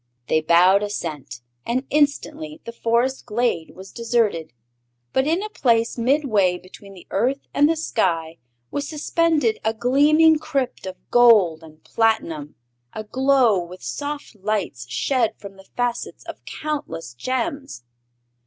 They bowed assent, and instantly the Forest glade was deserted. But in a place midway between the earth and the sky was suspended a gleaming crypt of gold and platinum, aglow with soft lights shed from the facets of countless gems.